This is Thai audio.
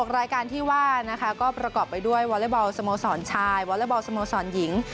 รายการที่ว่านะคะก็ประกอบไปด้วยวอเล็กบอลสโมสรชายวอเล็กบอลสโมสรหญิง